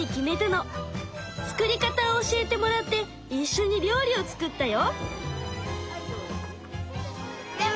作り方を教えてもらっていっしょに料理を作ったよ。